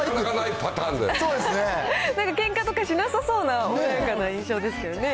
なんかけんかとかしなさそうな、穏やかな印象ですけどね。